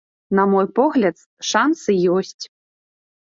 На мой погляд, шанцы ёсць.